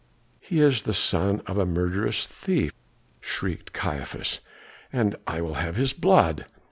"He is the son of a murderous thief," shrieked Caiaphas, "and I will have his blood.